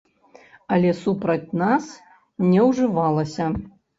Але супраць нас не ўжывалася.